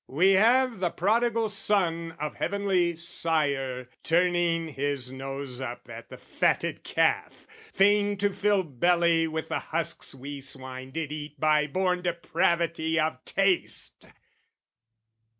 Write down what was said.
We have the prodigal son of heavenly sire, Turning his nose up at the fatted calf, Fain to fill belly with the husks we swine Did eat by born depravity of taste!